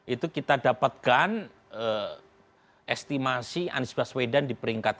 itu kita dapatkan estimasi anies baswedan di peringkatan